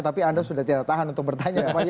tapi anda sudah tidak tahan untuk bertanya